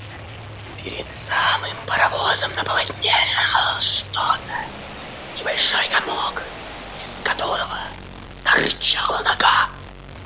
Перед самым паровозом на полотне лежало что-то, небольшой комок, из которого торчала нога.